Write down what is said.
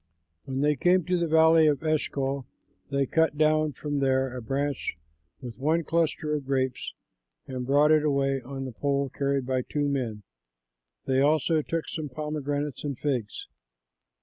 When they came to the valley of Eshcol, they cut down from there a branch with one cluster of grapes and brought it away on a pole carried by two men. They also took some pomegranates and figs.